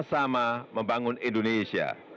bersama sama membangun indonesia